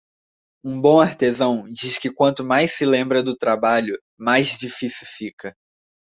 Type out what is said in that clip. Um bom artesão diz que quanto mais se lembra do trabalho, mais difícil fica.